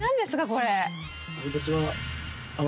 これ。